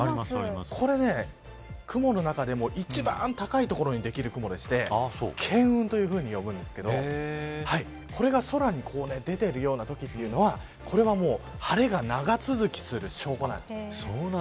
これ、雲の中でも一番高い所にできる雲でして巻雲というんですけどこれが空に出ているようなときはこれは晴れが長続きする証拠なんです。